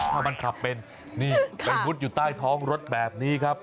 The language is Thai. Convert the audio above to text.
ถ้ามันขับเป็นนี่ไปมุดอยู่ใต้ท้องรถแบบนี้ครับ